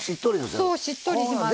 そうしっとりします。